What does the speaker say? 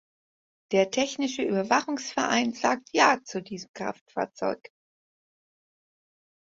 Der technische Überwachungsverein sagt ja zu diesem Kraftfahrzeug!